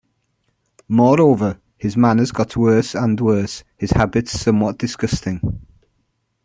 Moreover, he’s manners got worse and worse, his habits somewhat disgusting.